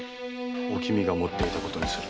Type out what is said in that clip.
おきみが持っていたことにする。